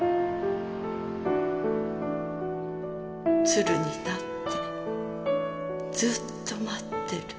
鶴になってずっと待ってる。